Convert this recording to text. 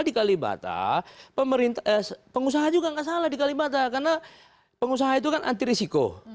di kalibata pengusaha juga nggak salah di kalibata karena pengusaha itu kan anti risiko